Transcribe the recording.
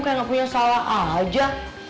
kayak gak punya salah aja